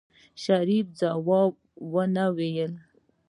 شريف ځواب ونه وايه.